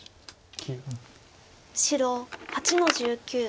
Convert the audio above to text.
白８の十九。